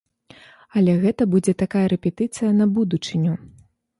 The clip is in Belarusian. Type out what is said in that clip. Але гэта будзе такая рэпетыцыя на будучыню.